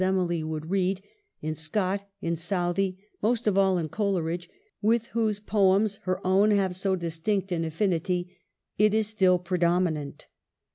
Emily would read, in Scott, in Southey, most of all in Coleridge, with whose poems her own have so distinct an affinity, it is still predominant.